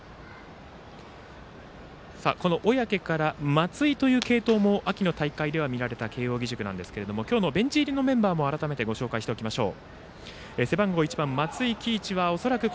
小宅から松井という継投も秋は見られた慶応義塾ですが今日のベンチ入りメンバーを改めてご紹介しましょう。